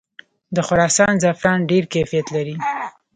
د خراسان زعفران ډیر کیفیت لري.